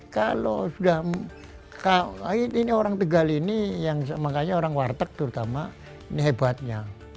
kalau sudah ini orang tegal ini yang makanya orang warteg terutama ini hebatnya